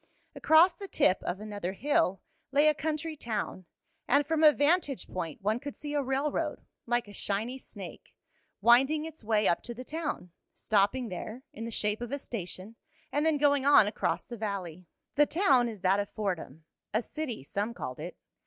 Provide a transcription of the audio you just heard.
Across the tip of another hill lay a country town, and from a vantage point one could see a railroad, like a shiny snake, winding its way up to the town, stopping there, in the shape of a station, and then going on across the valley. The town is that of Fordham a city some called it.